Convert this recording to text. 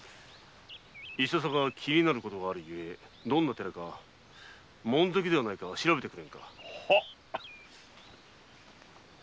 いささか気になることがあるゆえどんな寺かたとえば門跡ではないか調べてくれ。